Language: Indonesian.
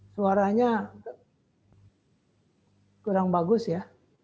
suaranya kurang bagus ya